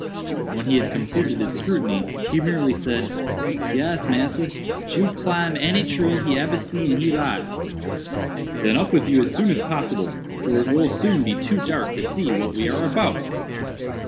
When he had completed his scrutiny, he merely said, "Yes, massa, Jup climb any tree he ebber see in he life." "Then up with you as soon as possible, for it will soon be too dark to see what we are about."